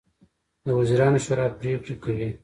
د وزیرانو شورا پریکړې کوي